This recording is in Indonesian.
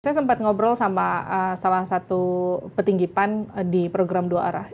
saya sempat ngobrol sama salah satu petinggi pan di program dua arah